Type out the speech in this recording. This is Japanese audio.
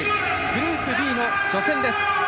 グループＢの初戦です。